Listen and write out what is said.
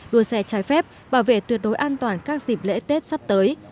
đua xe trái phép bảo vệ tuyệt đối an toàn các dịp lễ tết sắp tới